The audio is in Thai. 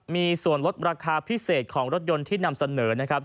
มีส่วนลดราคาพิเศษของรถยนต์ที่นำเสนอนะครับ